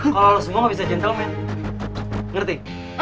kalau semua gak bisa gentleman ngerti